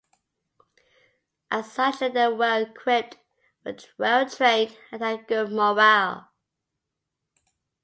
As such they were well equipped, were well trained, and had good morale.